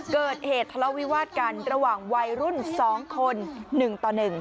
เกิดเหตุทะเลาวิวาสกันระหว่างวัยรุ่น๒คน๑ต่อ๑